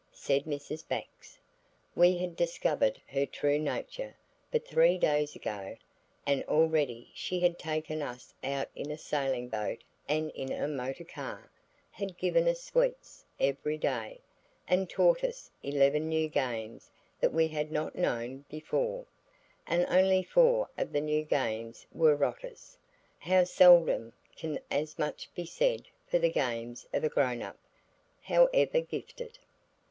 said Mrs. Bax. We had discovered her true nature but three days ago, and already she had taken us out in a sailing boat and in a motor car, had given us sweets every day, and taught us eleven new games that we had not known before; and only four of the new games were rotters. How seldom can as much be said for the games of a grown up, however gifted!